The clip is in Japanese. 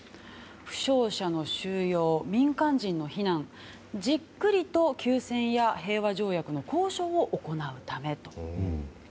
負傷者の収容、民間人の避難じっくりと休戦や平和条約の交渉を行うため。